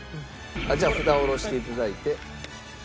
じゃあ札を下ろして頂いて。